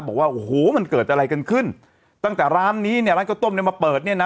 บอกว่าโอ้โหมันเกิดอะไรกันขึ้นตั้งแต่ร้านนี้เนี่ยร้านข้าวต้มเนี่ยมาเปิดเนี่ยนะ